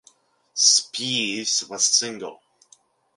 Spiess was single.